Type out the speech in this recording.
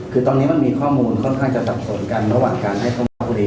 คือตอนนี้มันมีข้อมูลค่อนข้างจะสับสนกันระหว่างการให้ข้อมูล